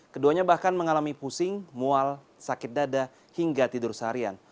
keduanya bahkan mengalami pusing mual sakit dada hingga tidur seharian